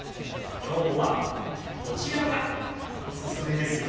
今日はこちらがおすすめですよ。